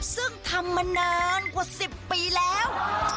ซึ่งทำมานานกว่า๑๐ปีแล้ว